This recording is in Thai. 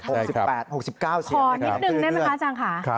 ขอนิดนึงได้ไหมคะอาจารย์ค่ะ